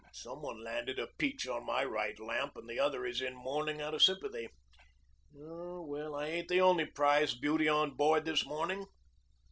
"Some one landed a peach on my right lamp and the other is in mourning out of sympathy. Oh, well, I ain't the only prize beauty on board this morning."